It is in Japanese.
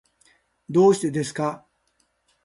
どうしてですか。